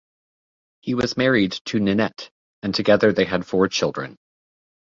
He was married to Nanette and together they had four children.